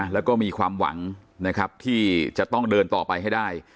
และก็มีความหวังที่จะต้องเดินต่อไปให้ได้